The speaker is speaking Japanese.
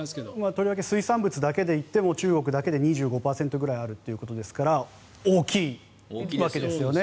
とりわけ水産物だけで言っても中国だけで２５％ぐらいあるということですから大きいわけですよね。